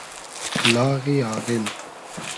لاغی آغیل